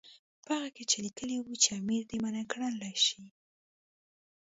په هغه کې لیکلي وو چې امیر دې منع کړل شي.